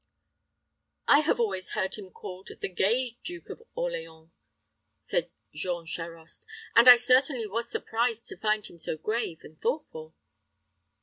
"I have always heard him called the gay Duke of Orleans," said Jean Charost, "and I certainly was surprised to find him so grave and thoughtful."